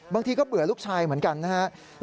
บางทีก็เบื่อลูกชายเหมือนกันนะครับ